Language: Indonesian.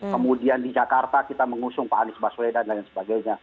kemudian di jakarta kita mengusung pak anies baswedan dan lain sebagainya